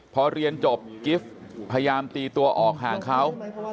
พอเรียนจบกิฟต์พยายามตีตัวออกห่างเขา